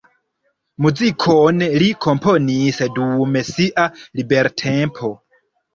Muzikon li komponis dum sia libertempo.